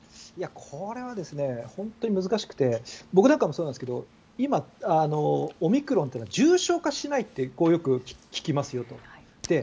これは本当に難しくて僕なんかもそうですけど今、オミクロンというのは重症化しないってよく聞きますよと。